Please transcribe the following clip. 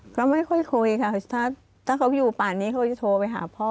ก็ไม่ค่อยคุยค่ะถ้าเขาอยู่ป่านนี้เขาจะโทรไปหาพ่อ